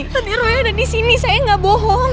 tadi roy ada disini saya gak bohong